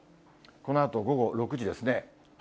このあと午後６時ですね。